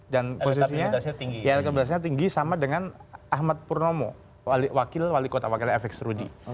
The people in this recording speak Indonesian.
dan posisinya tinggi sama dengan ahmad purnomo wakil wakil kota wakilnya fx rudy